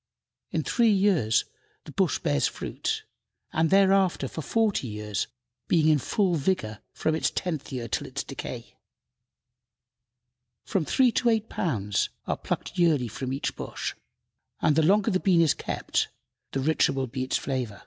In three years the bush bears fruit, and thereafter for forty years, being in full vigor from its tenth year till its decay. From three to eight pounds are plucked yearly from each bush, and the longer the bean is kept the richer will be its flavor.